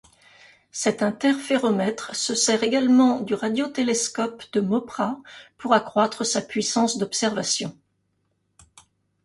Cet interféromètre se sert également du radiotélescope de Mopra pour accroître sa puissance d'observation.